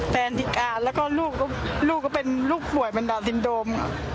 แฟนพิการและลูกเป็นลูกป่วยเป็นดาวน์ซินโดรม